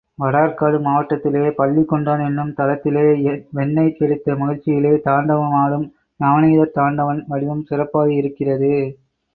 வடஆர்க்காடு மாவட்டத்திலே பள்ளிகொண்டான் என்னும் தலத்திலே வெண்ணெய் கிடைத்த மகிழ்ச்சியிலே தாண்டவம் ஆடும் நவநீத தாண்டவன் வடிவம் சிறப்பாயிருக்கிறது.